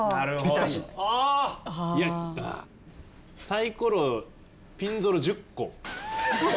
サイコロピンゾロ１０個。